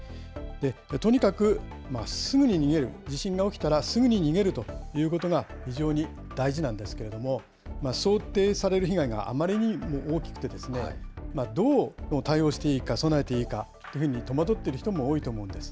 とにかくすぐに逃げる、地震が起きたらすぐに逃げるということが、非常に大事なんですけれども、想定される被害があまりにも大きくてですね、どう対応していいか、備えていいかというふうに、戸惑っている人も多いと思うんです。